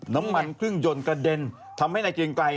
น้ำมันเครื่องยนต์กระเด็นทำให้นายเกรงไกร